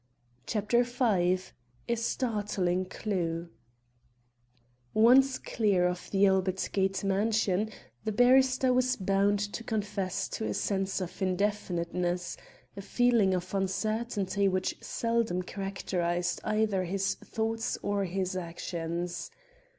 CHAPTER V A STARTLING CLUE Once clear of the Albert Gate mansion, the barrister was bound to confess to a sense of indefiniteness, a feeling of uncertainty which seldom characterised either his thoughts or his actions.